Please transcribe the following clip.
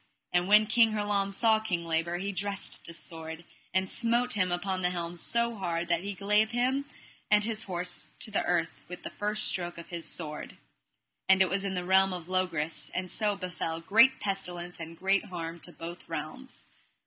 And when King Hurlame saw King Labor he dressed this sword, and smote him upon the helm so hard that he clave him and his horse to the earth with the first stroke of his sword. And it was in the realm of Logris; and so befell great pestilence and great harm to both realms.